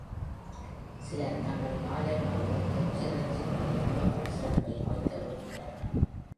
சிலர் தங்கள் காலை உணவு தொத்திறைச்சிகளில் மேப்பிள் சிரப்பை வைக்க விரும்புகிறார்கள்.